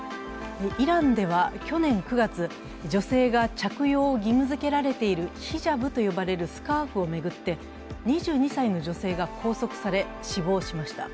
イランでは去年９月、女性が着用を義務付けられているヒジャブと呼ばれるスカーフを巡って２２歳の女性が拘束され、死亡しました。